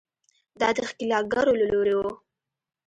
دا د ښکېلاکګرو له لوري وو.